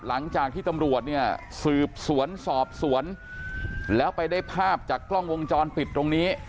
หลังจากที่ตำรวจเนี่ยสืบสวนสอบสวนแล้วไปได้ภาพจากกล้องวงจรปิดตรงนี้